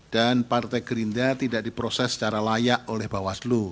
dan partai gerindia tidak diproses secara layak oleh bapak selu